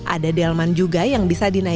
ada delman juga yang bisa dinaikkan